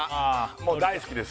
もう大好きです